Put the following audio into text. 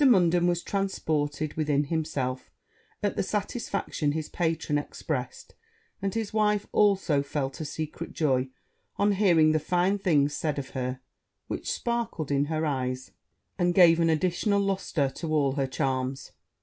Munden was transported within himself at the satisfaction his patron expressed; and his wife also felt a secret joy on hearing the fine things said of her, which sparkled in her eyes, and gave an additional lustre to all her charms.